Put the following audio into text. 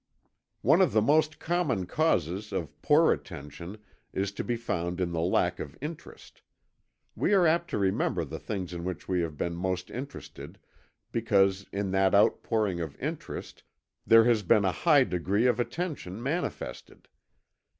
One of the most common causes of poor attention is to be found in the lack of interest. We are apt to remember the things in which we have been most interested, because in that outpouring of interest there has been a high degree of attention manifested.